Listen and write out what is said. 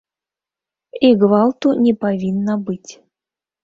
І гвалту не павінна быць.